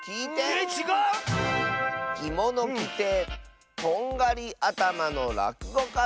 えっちがう⁉「きものきてとんがりあたまのらくごかさん」。